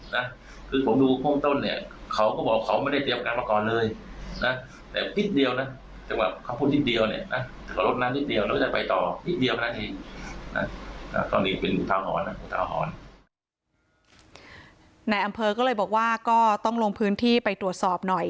นายอำเภอก็เลยบอกว่าก็ต้องลงพื้นที่ไปตรวจสอบหน่อย